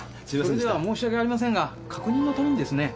それでは申し訳ありませんが確認のためにですね